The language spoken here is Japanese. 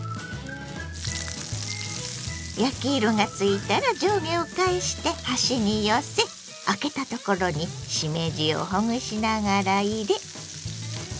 焼き色がついたら上下を返して端に寄せあけたところにしめじをほぐしながら入れ。